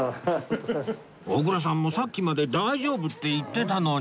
小倉さんもさっきまで大丈夫って言ってたのに